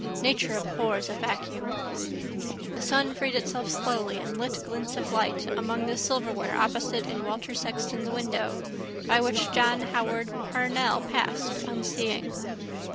Nature abhors a vacuum. The sun freed itself slowly and lit glints of light among the silverware opposite in Walter Sexton's window by which John Howard Parnell passed, unseeing.